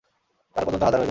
কাল পর্যন্ত হাজার হয়ে যাবে।